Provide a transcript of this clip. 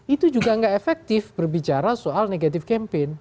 itu juga nggak efektif berbicara soal negatif campaign